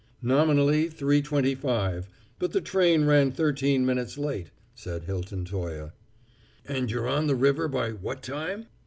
"Nominally three twenty five; but the train ran thirteen minutes late," said Hilton Toye. "And you're on the river by what time?"